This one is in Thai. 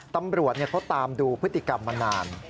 ตำรวจเขาตามดูพฤติกรรมมานาน